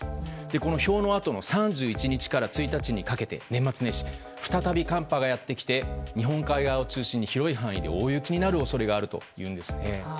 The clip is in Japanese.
この表のあとの３１日から１日にかけて年末年始、再び寒波がやってきて日本海側を中心に広い範囲で大雪になる恐れがあるというんです。